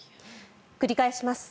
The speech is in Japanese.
繰り返します。